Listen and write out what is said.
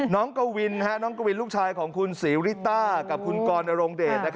น้องกวินลูกชายของคุณสีริต้ากับคุณกรอารมณ์เดท